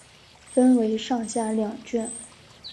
分为上下两卷。